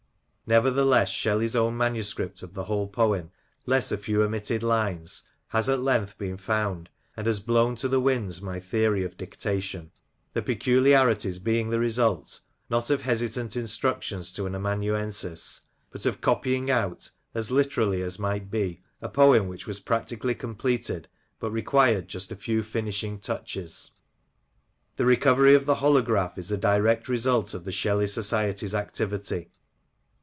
Nevertheless, Shelley's own manu script of the whole poem, less a few omitted lines, has at length been found, and has blown to the winds my theory of dictation, — the peculiarities being the result, not of hesitant instructions to an amanuensis, but of copying out, as literally as might be, a poem which was practically completed, but required just a few finishing touches. The recovery of the holograph is a direct result of the Shelley Society's activity.